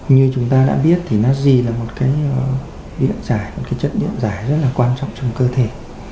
như chúng ta đã biết nát ri là một chất điện giải rất quan trọng trong cơ thể